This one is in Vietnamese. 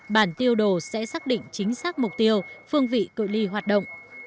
bản tiêu đồ sẽ xác định chính xác mục tiêu phương vị cự li hoạt động